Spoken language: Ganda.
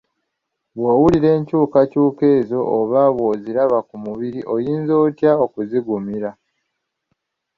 Bw'owulira enkyukakyuka ezo oba bw'oziraba ku mubiri oyinza otya okuzigumira?